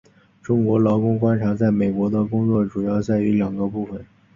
中国劳工观察在美国的工作主要在于两个部份。